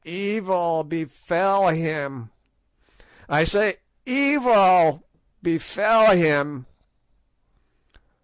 Evil befell him, I say, evil befell him!